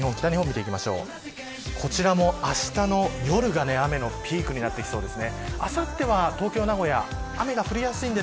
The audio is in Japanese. こちらもあしたの夜がピークになってきそうです。